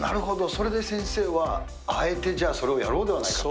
それで先生はあえてじゃあ、それをやろうではないかと。